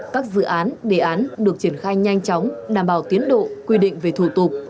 các dự án đề án được triển khai nhanh chóng đảm bảo tiến độ quy định về thủ tục